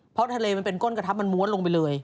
เพราะทะเลมันเป็นก้นกระทับมันม้วนลงไปเลย